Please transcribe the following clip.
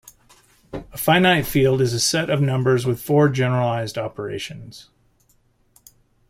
A finite field is a set of numbers with four generalized operations.